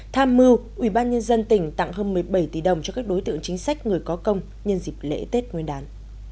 tham mưu ubnd tỉnh tặng hơn một mươi bảy tỷ đồng cho các đối tượng chính sách người có công nhân dịp lễ tết nguyên đán